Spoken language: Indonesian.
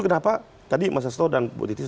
kenapa tadi mas asto dan bu titi